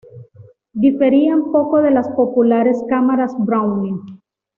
Diferían poco de las populares cámaras Brownie.